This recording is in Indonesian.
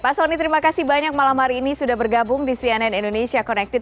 pak soni terima kasih banyak malam hari ini sudah bergabung di cnn indonesia connected